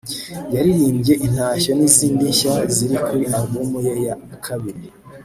yaririmbye Intashyo n'izindi nshya ziri kuri album ye ya kabiri